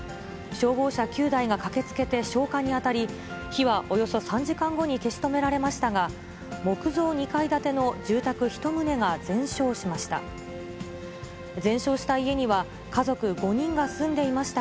消防車９台が駆けつけて消火に当たり、火はおよそ３時間後に消し止められましたが、木造２階建ての住宅１棟が全焼しました。